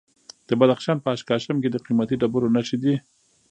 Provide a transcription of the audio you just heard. د بدخشان په اشکاشم کې د قیمتي ډبرو نښې دي.